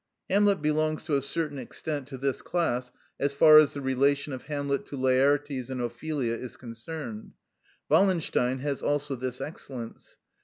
"Hamlet" belongs to a certain extent to this class, as far as the relation of Hamlet to Laertes and Ophelia is concerned. "Wallenstein" has also this excellence.